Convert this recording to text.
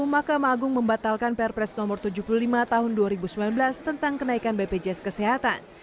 mahkamah agung membatalkan perpres nomor tujuh puluh lima tahun dua ribu sembilan belas tentang kenaikan bpjs kesehatan